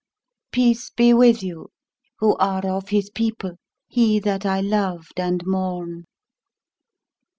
"Peace be with you, who are of his people he that I loved and mourn!"